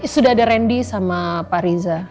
sudah ada randy sama pak riza